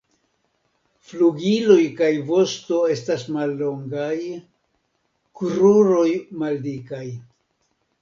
Flugiloj kaj vosto estas mallongaj, kruroj maldikaj.